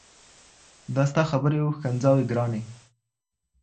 دا ستا خبري او ښكنځاوي ګراني!